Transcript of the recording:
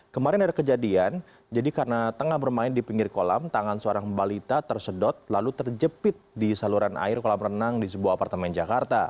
kemarin ada kejadian jadi karena tengah bermain di pinggir kolam tangan seorang balita tersedot lalu terjepit di saluran air kolam renang di sebuah apartemen jakarta